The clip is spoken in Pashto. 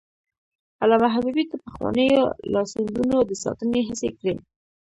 علامه حبيبي د پخوانیو لاسوندونو د ساتنې هڅې کړي.